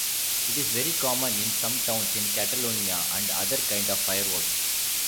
It is very common in some towns in Catalonia and other kind of fireworks.